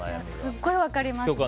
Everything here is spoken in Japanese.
すごい分かりますね。